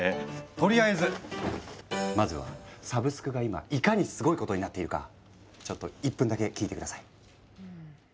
とりあえずまずはサブスクが今いかにスゴいことになっているかちょっと１分だけ聞いて下さい。